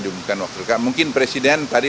diumumkan waktu mungkin presiden tadi